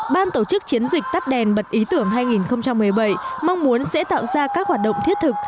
ban tổ chức chiến dịch tắt đèn bật ý tưởng hai nghìn một mươi bảy mong muốn sẽ tạo ra các hoạt động thiết thực